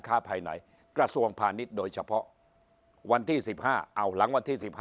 ภายในกระทรวงพาณิชย์โดยเฉพาะวันที่๑๕เอาหลังวันที่๑๕